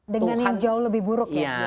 dengan yang jauh lebih buruk ya